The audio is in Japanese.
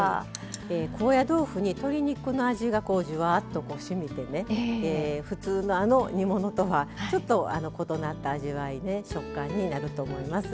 高野豆腐に鶏肉の味がじゅわっとしみて普通の煮物とはちょっと異なった味わいで食感になると思います。